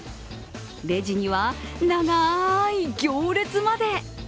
レジには長い行列まで。